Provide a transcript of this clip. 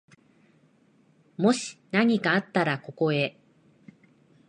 もしなにかあったら、ここへ。